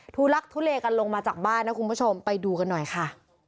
ทักทุเลกันลงมาจากบ้านนะคุณผู้ชมไปดูกันหน่อยค่ะ